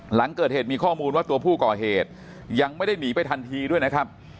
หลังเกิดเหตุมีข้อมูลว่าตัวผู้ก่อเหตุยังไม่ได้หนีไปทันทีด้วยนะครับ